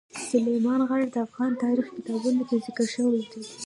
سلیمان غر د افغان تاریخ په کتابونو کې ذکر شوی دي.